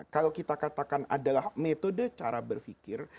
kalau kita katakan adalah metode cara berpikir